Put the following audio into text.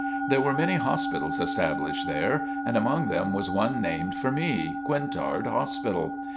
There were many hospitals established there and among them was one named for me, "Quintard Hospital."